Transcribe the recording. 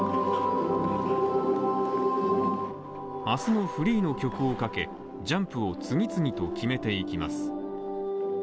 明日のフリーの曲をかけジャンプを次々と決めていきます。